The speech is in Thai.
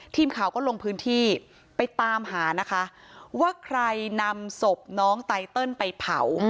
ทีมข่าวก็ลงพื้นที่ไปตามหานะคะว่าใครนำศพน้องไตเติลไปเผา